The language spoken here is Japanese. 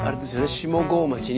下郷町に。